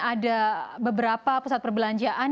ada beberapa pusat perbelanjaan